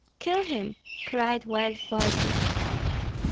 Kill him!" cried wild voices.